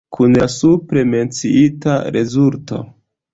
Kun la supre menciita rezulto.